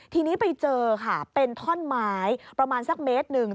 ทีนี้ไปเจอค่ะเป็นท่อนไม้ประมาณสักเมตรหนึ่ง